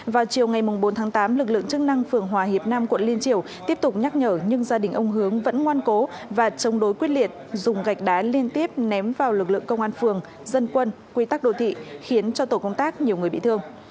vào chiều ngày bốn tháng tám lực lượng chức năng phường hòa hiệp nam quận liên triều tiếp tục nhắc nhở nhưng gia đình ông hướng vẫn ngoan cố và chống đối quyết liệt dùng gạch đá liên tiếp ném vào lực lượng công an phường dân quân quy tắc đô thị khiến cho tổ công tác nhiều người bị thương